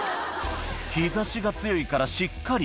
「日差しが強いからしっかり」